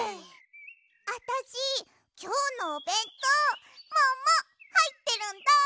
あたしきょうのおべんとうももはいってるんだ！